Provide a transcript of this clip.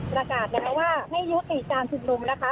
ประกาศนะคะว่าให้ยุติการชุมนุมนะคะ